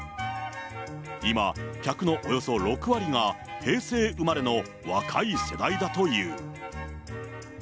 今、客のおよそ６割が平成生まれの若い世代だという。